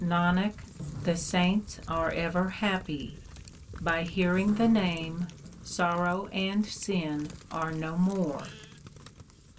1 Nanak, the saints are ever happy. By hearing the Name sorrow and sin are no more.